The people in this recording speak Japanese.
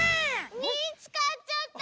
みつかっちゃった！